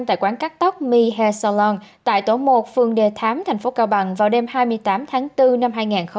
tại quán cắt tóc mi hair salon tại tổ một phường đề thám thành phố cao bằng vào đêm hai mươi tám tháng bốn năm hai nghìn hai mươi